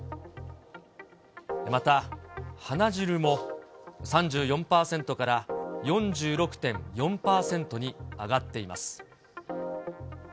また、鼻汁も、３４％から４６．４％に上がっています。